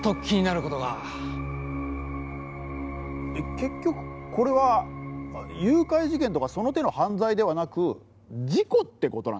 「結局これは誘拐事件とかその手の犯罪ではなく事故って事なんですか？」